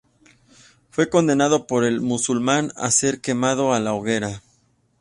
Fue condenado por el musulmán a ser quemado a la hoguera.